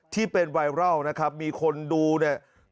ที่เป็นไวรัลนะครับมีคนดูเนี่ย